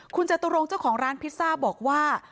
คุณจตุรงค์เจ้าของร้านพิซซ่าบอกว่า